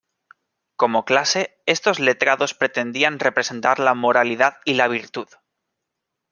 Como clase, estos letrados pretendían representar la moralidad y la virtud.